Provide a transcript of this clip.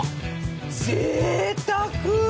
ぜいたく！